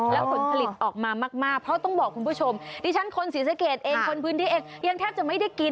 และผลผลิตออกมามากเพราะต้องบอกคุณผู้ชมที่ชั้นคนศรีเศรษฐเองยังแทบจะไม่ได้กิน